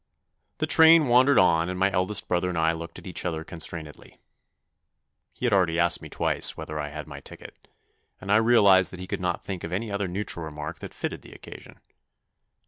The train wandered on and my eldest brother and I looked at each other constrainedly. He had already asked me twice whether I had my ticket, and I realised that he could not think of any other neutral remark that fitted the occasion.